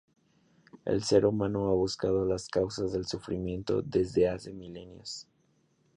El ser humano ha buscado las causas del sufrimiento desde hace milenios.